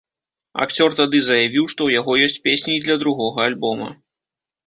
Акцёр тады заявіў, што ў яго ёсць песні і для другога альбома.